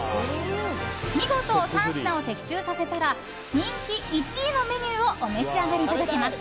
見事３品を的中させたら人気１位のメニューをお召し上がりいただけます。